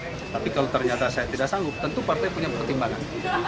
tapi kalau ternyata saya tidak sanggup tentu partai punya pertimbangan